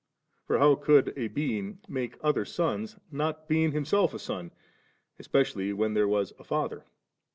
For how could a being make I other sons, not being himself a son, especially when there was a father"